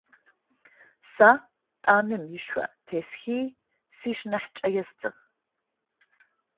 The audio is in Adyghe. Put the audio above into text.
Сэ тӏамым ышъо тесхи, сшынахьыкӀэ естыгъ.